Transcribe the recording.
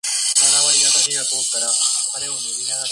Only the first one was released as a single.